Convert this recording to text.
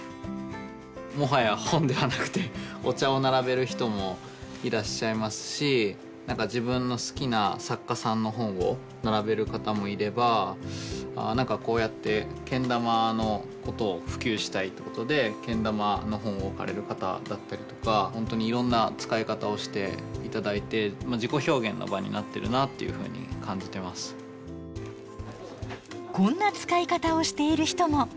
もはや本ではなくてお茶を並べる人もいらっしゃいますし何か自分の好きな作家さんの本を並べる方もいれば何かこうやってけん玉のことを普及したいってことでけん玉の本を置かれる方だったりとか本当にいろんな使い方をして頂いてこんな使い方をしている人も。